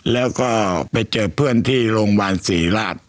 แล้วก็ไปเจอเพื่อนที่โรงพยาบาลศรีราช